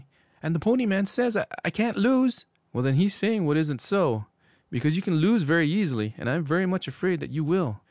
'And the Pony Man says I can't lose!' 'Well, then he's saying what isn't so. Because you can lose very easily, and I'm very much afraid that you will.